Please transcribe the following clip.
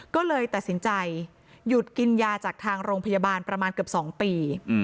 ก็เลยตัดสินใจหยุดกินยาจากทางโรงพยาบาลประมาณเกือบ๒ปี